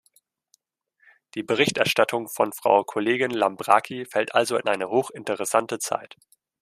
Die Berichterstattung von Frau Kollegin Lambraki fällt also in eine hochinteressante Zeit.